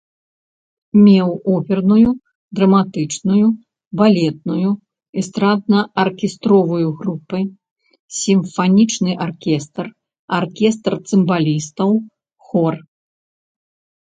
Меў оперную, драматычную, балетную, эстрадна-аркестравую групы, сімфанічны аркестр, аркестр цымбалістаў, хор.